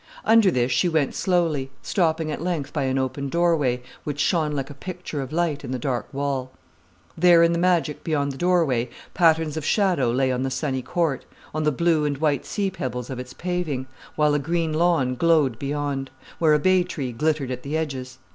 Under this she went slowly, stopping at length by an open doorway, which shone like a picture of light in the dark wall. There in the magic beyond the doorway, patterns of shadow lay on the sunny court, on the blue and white sea pebbles of its paving, while a green lawn glowed beyond, where a bay tree glittered at the edges.